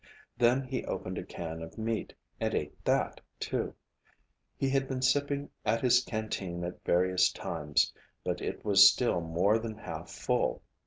Then he opened a can of meat and ate that, too. He had been sipping at his canteen at various times, but it was still more than half full.